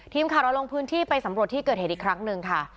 ทีมข่าวเราลงพื้นที่ไปสำรวจที่เกิดเหตุอีกครั้งหนึ่งค่ะ